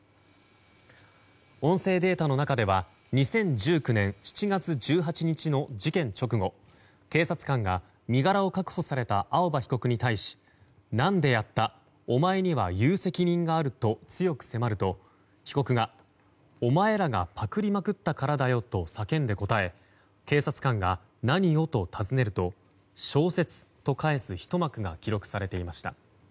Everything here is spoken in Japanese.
音声データの中では２０１９年７月１８日の事件直後警察官が身柄を確保された青葉被告に対し何でやったお前には言う責任があると強く迫ると、被告が、お前らがパクりまくったからだよと叫んで答え警察官が、何を？と尋ねると小説と返すひと幕が記録されていました。